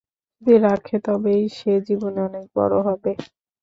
যদি রাখে, তবেই সে জীবনে অনেক বড় হবে।